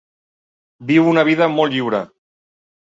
Viu una vida molt lliure.